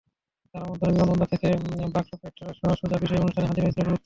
তাঁর আমন্ত্রণে বিমানবন্দর থেকে বাক্সপেটরাসহ সোজা বিয়ের অনুষ্ঠানে হাজির হয়েছিলেন রুথ।